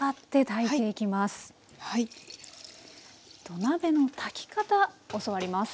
土鍋の炊き方教わります。